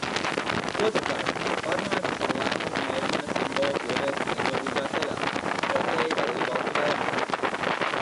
Otrkārt, Parlaments ar savu lēmumu mēģina simbolus ieviest negodīgā ceļā, pretēji dalībvalstu vēlmēm.